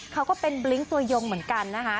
ก็เป็นบลิ้งตัวยงเหมือนกันนะคะ